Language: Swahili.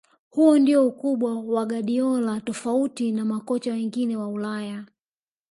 Huo ndio ukubwa wa guardiola tofauti na makocha wengine wa ulaya